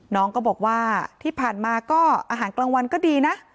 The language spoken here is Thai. น้องก็บอกว่าที่ผ่านมาก็อาหารกลางวันก็ดีนะ